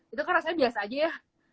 itu kan rasanya biasa aja ya